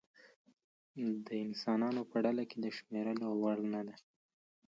د انسانانو په ډله کې د شمېرلو وړ نه دی.